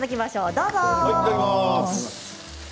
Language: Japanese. どうぞ。